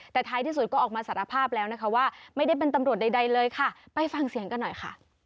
แต่ท้ายที่สุดก็ออกมาสารภาพแล้วนะคะว่าไม่ได้เป็นตำรวจใดเลยค่ะไปฟังเสียงกันหน่อยค่ะ